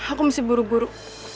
aku mesti buru buru